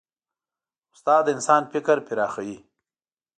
استاد د انسان فکر پراخوي.